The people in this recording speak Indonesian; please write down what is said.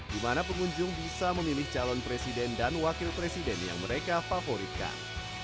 di mana pengunjung bisa memilih calon presiden dan wakil presiden yang mereka favoritkan